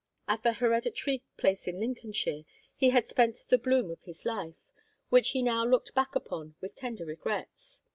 At the hereditary "place in Lincolnshire" he had spent the bloom of his life, which he now looked back upon with tender regrets.